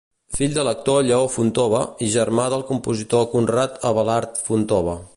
Fill de l'actor Lleó Fontova i germà del compositor Conrad Abelard Fontova.